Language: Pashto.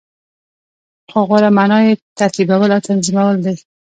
خو غوره معنا یی ترتیبول او تنظیمول دی .